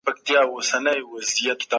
د الله ج په نوم پيل وکړئ.